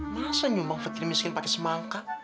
masa nyumbang fakir miskin pakai semangkah